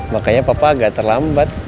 makanya papa agak terlambat